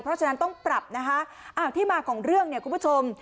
เพราะฉะนั้นต้องปรับที่มาของเรื่องคุณผู้ชม